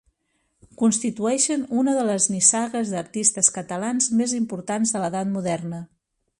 Constitueixen una de les nissagues d'artistes catalans més importants de l'edat moderna.